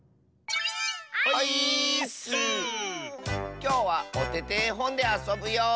きょうは「おててえほん」であそぶよ！